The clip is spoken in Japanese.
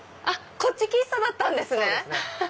こっち喫茶だったんですね！